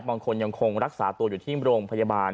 บางคนยังคงรักษาตัวอยู่ที่โรงพยาบาล